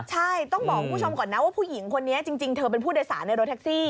ใช่ต้องบอกคุณผู้ชมก่อนนะว่าผู้หญิงคนนี้จริงเธอเป็นผู้โดยสารในรถแท็กซี่